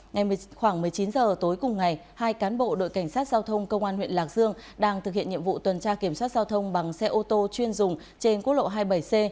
ngay khoảng một mươi chín h tối cùng ngày hai cán bộ đội cảnh sát giao thông công an huyện lạc dương đang thực hiện nhiệm vụ tuần tra kiểm soát giao thông bằng xe ô tô chuyên dùng trên quốc lộ hai mươi bảy c